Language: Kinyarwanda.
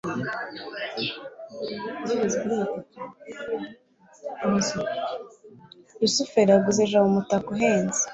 rusufero yaguze jabo umutaka uhenze